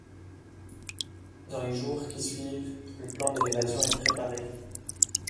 Dans les jours qui suivent, le plan de l’évasion est préparé.